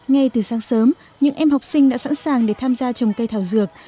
ngay từ sáng sớm những em học sinh đã sẵn sàng để tham gia trồng cây thảo dược